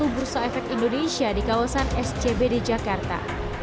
bursa efek indonesia di kawasan scb di jakarta